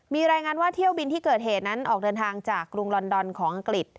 มีรายงานว่าเที่ยวบินที่เกิดเหตุนั้นออกเดินทางจากกรุงลอนดอนของอังกฤษ